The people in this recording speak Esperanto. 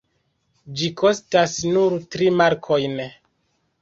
Ĝi kostas nur tri markojn.